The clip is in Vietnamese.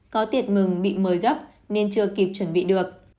có tiện mừng bị mời gấp nên chưa kịp chuẩn bị được